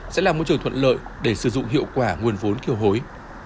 sẽ là môi trường thuận lợi để sử dụng hiệu quả nguồn vốn kiều hối